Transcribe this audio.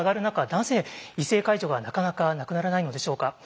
なぜ異性介助がなかなかなくならないのでしょうか。